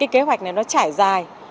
kế hoạch này nó trải dài